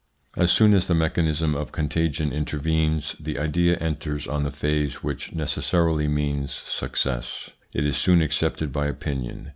As soon as the mechanism of contagion intervenes, the idea enters on the phase which necessarily means success. It is soon accepted by opinion.